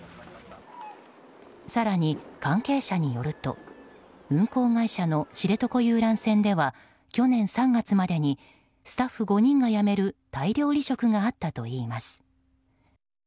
更に、関係者によると運航会社の知床遊覧船では去年３月までにスタッフ５人が辞める大量離職があったといいます。